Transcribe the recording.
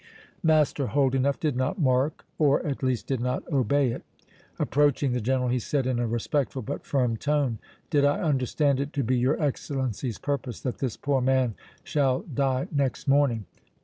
Master Holdenough did not mark, or, at least, did not obey it. Approaching the General, he said, in a respectful but firm tone, "Did I understand it to be your Excellency's purpose that this poor man shall die next morning?"